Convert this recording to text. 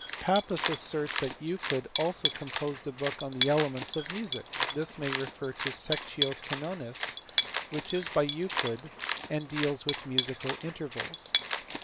Pappus asserts that Euclid also composed a book on the elements of music : this may refer to the Sectio Canonis which is by Euclid, and deals with musical intervals.